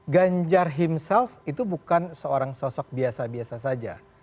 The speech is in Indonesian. ganjar himself itu bukan seorang sosok biasa biasa saja